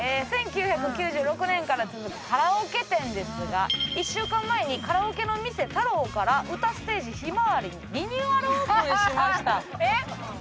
１９９６年から続くカラオケ店ですが１週間前に「カラオケの店たろう」から「唄ステージひまわり」にリニューアルオープンしました。